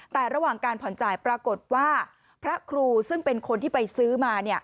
แต่ระหว่างการผ่อนจ่ายปรากฏว่าพระครูซึ่งเป็นคนที่ไปซื้อมา